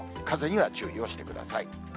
風には注意をしてください。